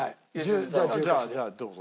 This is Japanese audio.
じゃあじゃあどうぞ。